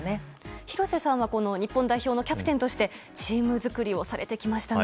廣瀬さんは日本代表のキャプテンとしてチーム作りをされてきましたが。